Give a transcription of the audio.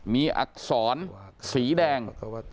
มีอักษรสีแดง